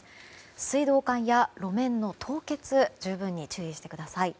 水道管や路面の凍結十分に注意してください。